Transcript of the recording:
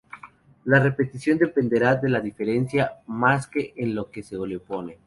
La repetición dependerá de la diferencia más que en lo que se le opone.